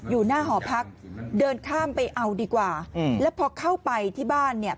อยู่หน้าหอพักเดินข้ามไปเอาดีกว่าอืมแล้วพอเข้าไปที่บ้านเนี่ย